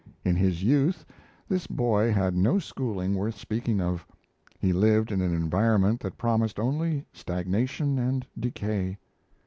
In his youth, this boy had no schooling worth speaking of; he lived in an environment that promised only stagnation and decay.